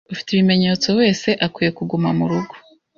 ufite ibimenyetso wese akwiye kuguma mu rugo